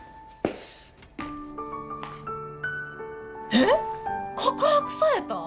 えっ告白された！？